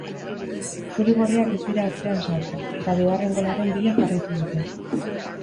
Zuri-gorriak ez dira atzean sartu, eta bigarren golaren bila jarraitu dute.